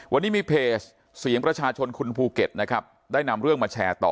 วันนี้มีเพจเสียงประชาชนคุณภูเก็ตนะครับได้นำเรื่องมาแชร์ต่อ